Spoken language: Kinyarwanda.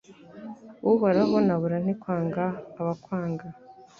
Uhoraho nabura nte kwanga abakwanga?